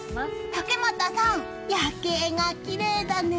竹俣さん、夜景がきれいだね！